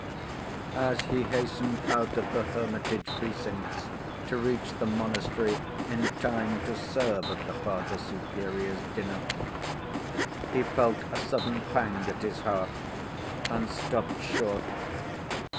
As he hastened out of the hermitage precincts to reach the monastery in time to serve at the Father Superior's dinner, he felt a sudden pang at his heart, and stopped short.